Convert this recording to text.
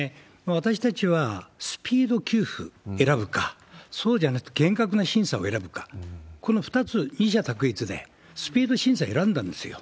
私たちはスピード給付を選ぶか、そうじゃなくて厳格な審査を選ぶか、この２つ、二者択一でスピード審査選んだんですよ。